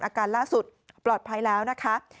อาการล่าสุดปลอดภัยแล้วนะคะ